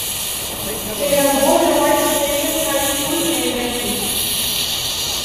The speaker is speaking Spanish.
Se graduó de White Station High School en Memphis.